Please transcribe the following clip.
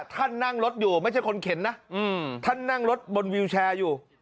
ท่านนั่งรถอยู่ไม่ใช่คนเข็นนะท่านนั่งรถบนวิวแชร์อยู่